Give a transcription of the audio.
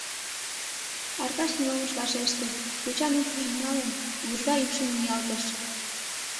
Аркаш нимом ыш вашеште, йочан упшыжым налын, вужга ӱпшым ниялтыш...